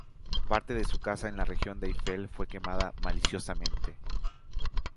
Parte de su casa en la región de Eifel fue quemada maliciosamente.